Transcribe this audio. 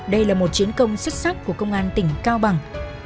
đây là một chiến công xuất sắc của công an tỉnh cao bằng